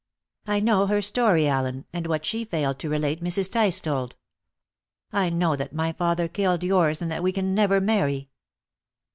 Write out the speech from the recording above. I know her story, Allen, and what she failed to relate Mrs. Tice told. I know that my father killed yours, and that we can never marry."